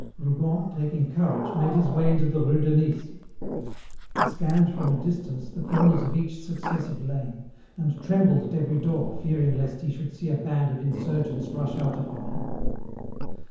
Rougon, taking courage, made his way into the Rue de Nice. He scanned from a distance the corners of each successive lane; and trembled at every door, fearing lest he should see a band of insurgents rush out upon him.